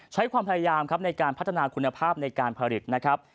ใช้ความพยายามครับในการพัฒนาคุณภาพในการผลิตนะครับ